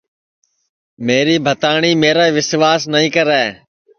میری بھتاٹؔی میرا وسواس نائی کرے